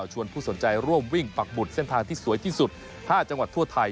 ผู้สนใจร่วมวิ่งปักหมุดเส้นทางที่สวยที่สุด๕จังหวัดทั่วไทย